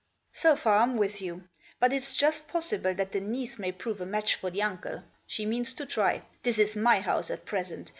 " So far Pm with you. But it's just possible that the niece may prove a match for the uncle ; she means to try. This is my house, at present.